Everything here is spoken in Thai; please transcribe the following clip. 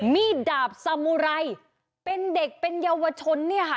มีดดาบสามุไรเป็นเด็กเป็นเยาวชนเนี่ยค่ะ